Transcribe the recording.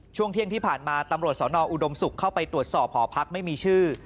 ช่วงเที่ยงที่ผ่านมาตำรวจสนอุดมศุกร์เข้าไปตรวจสอบหอพักไม่มีชื่อ